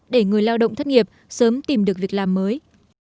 để người lao động thất nghiệp sớm tìm được việc làm mới